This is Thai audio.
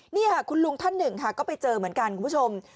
นี่ค่ะคุณลุงท่านหนึ่งค่ะก็ไปเจอเหมือนกันคุณผู้ชม